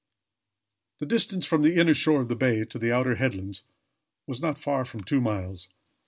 The distance from the inner shore of the bay to the outer headlands was not far from two miles.